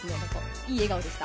いい笑顔でした。